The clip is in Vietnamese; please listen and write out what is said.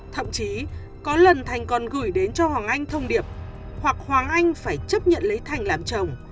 thậm chí có lần thành còn gửi đến cho hoàng anh thông điệp hoặc hoàng anh phải chấp nhận lấy thành làm chồng